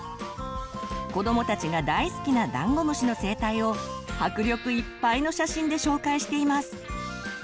子どもたちが大好きなダンゴムシの生態を迫力いっぱいの写真で紹介しています。